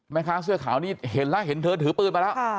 แม่ค้าเสื้อขาวนี่เห็นแล้วเห็นเธอถือปืนมาแล้ว